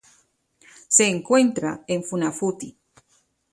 Se encuentra en Funafuti.